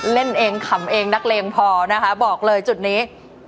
เล่นเองขำเองนักเลงพอนะคะบอกเลยจุดนี้